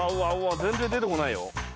全然出て来ないよ。